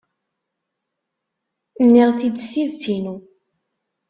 Nniɣ-t-id s tidet-inu.